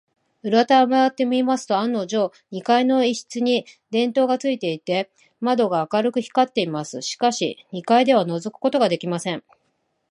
裏手へまわってみますと、案のじょう、二階の一室に電燈がついていて、窓が明るく光っています。しかし、二階ではのぞくことができません。